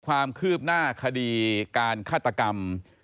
ความคืบหน้าคดีการฆาตกรรม